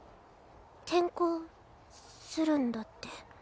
転校するんだって。